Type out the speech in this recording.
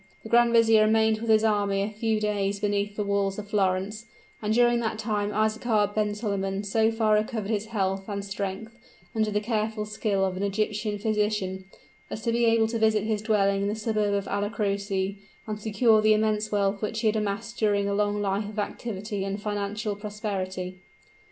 The grand vizier remained with his army a few days beneath the walls of Florence: and during that time Isaachar ben Solomon so far recovered his health and strength, under the skillful care of an Egyptian physician, as to be able to visit his dwelling in the suburb of Alla Croce, and secure the immense wealth which he had amassed during a long life of activity and financial prosperity.